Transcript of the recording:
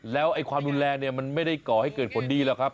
แล้วความรุนแรงเนี่ยมันไม่ได้ก่อให้เกิดผลดีหรอกครับ